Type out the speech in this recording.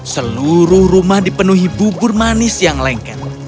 seluruh rumah dipenuhi bubur manis yang lengket